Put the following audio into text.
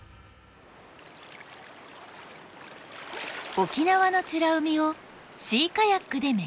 沖縄の美ら海をシーカヤックで巡る旅。